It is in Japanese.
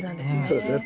そうですね。